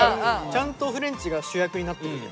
ちゃんとフレンチが主役になってる。